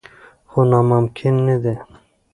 خو ناممکن نه دي.